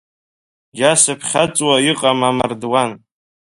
Џьа сыԥхьаҵуа иҟам амардуан.